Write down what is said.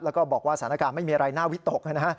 แล้วก็บอกว่าสถานการณ์ไม่มีอะไรน่าวิตกนะฮะ